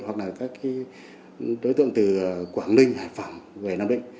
hoặc là các đối tượng từ quảng ninh hải phòng về nam định